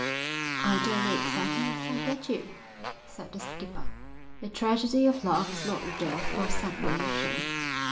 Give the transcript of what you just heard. "I don't know exactly as I get you," said the skipper. "The tragedy of love is not death or separation.